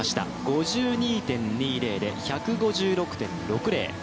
５２．２０で１５６．６０。